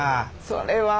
それは。